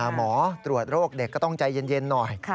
หมอตรวจโรคเด็กก็ต้องใจเย็นหน่อย